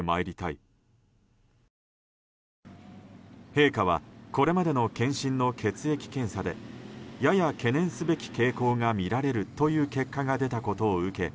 陛下は、これまでの検診の血液検査でやや懸念すべき傾向がみられるという結果が出たことを受け